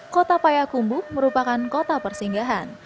kota payakumbu merupakan kota persinggahan